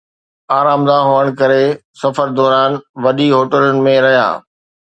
آرامده هئڻ ڪري، سفر دوران وڏين هوٽلن ۾ رهيا